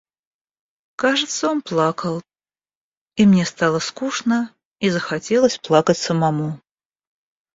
Кажется, он плакал; и мне стало скучно и захотелось плакать самому.